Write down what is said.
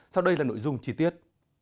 sau đây là nội dung chi tiết